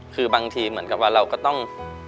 คือบางทีเหมือนกับว่าเราก็ต้อง